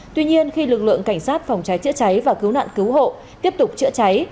tuy nhiên khi lực lượng cảnh sát phòng cháy chữa cháy và cứu nạn cứu hộ tiếp tục chữa cháy